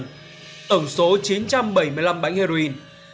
tổng số chín trăm bảy mươi năm bánh heroin